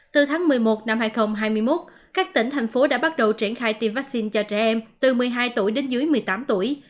từ tháng một mươi một năm hai nghìn hai mươi một các tỉnh thành phố đã bắt đầu triển khai tiêm vaccine cho trẻ em từ một mươi hai tuổi đến dưới một mươi tám tuổi